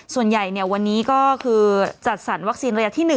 ส่วนใหญ่วันนี้ก็คือจัดสรรวัคซีนระยะที่๑